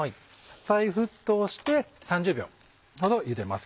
再沸騰して３０秒ほどゆでます。